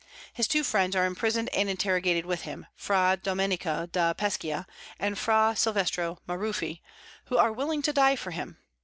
His two friends are imprisoned and interrogated with him, Fra Domenico da Pescia and Fra Silvestro Maruffi, who are willing to die for him.